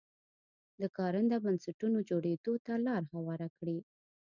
د کارنده بنسټونو جوړېدو ته لار هواره کړي.